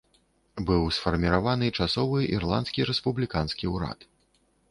Быў сфарміраваны часовы ірландскі рэспубліканскі ўрад.